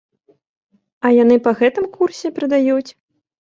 А яны па гэтым курсе прадаюць?